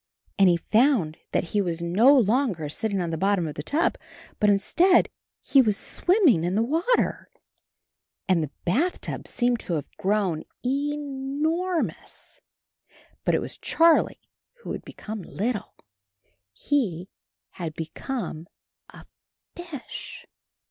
And he found that he was no longer sitting on the bottom of the tub, but instead he was so CHARLIE swimming in the water. And the bathtub seemed to have grown ENORMOUS. But it was Charlie who had become little; he had become a fish.